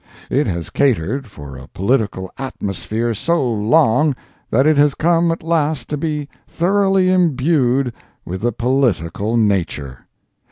It has catered for a political atmosphere so long that it has come at last to be thoroughly imbued with the political nature.